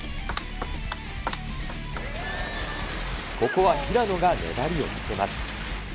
ここは平野が粘りを見せます。